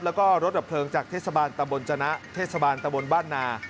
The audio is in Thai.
แล้วก็รถดับเพลิงจากเทศบาลตำบลจนะเทศบาลตะบนบ้านนา